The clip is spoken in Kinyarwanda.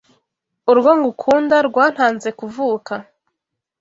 Urwo ngukunda rwantanze kuvuka